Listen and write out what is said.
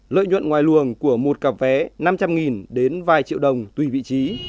lợi nhuận ngoài luồng của một cặp vé năm trăm linh đến vài triệu đồng tùy vị trí